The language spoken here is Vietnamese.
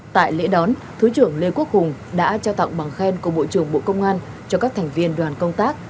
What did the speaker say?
tại lễ đón thứ trưởng lê quốc hùng đã trao tặng bằng khen của bộ trưởng bộ công an cho các thành viên đoàn công tác